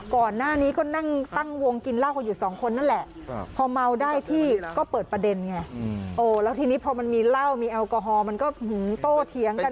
ก่อนหน้านี้ก็นั่งตั้งวงกินเหล้ากันอยู่สองคนนั่นแหละพอเมาได้ที่ก็เปิดประเด็นไงแล้วทีนี้พอมันมีเหล้ามีแอลกอฮอลมันก็โตเถียงกัน